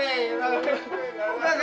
be kita kena bohongkan be